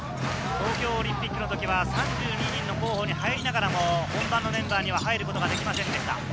東京オリンピックの時は３２人の候補に入りながらも本番のメンバーには入ることができませんでした。